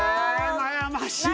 悩ましいよ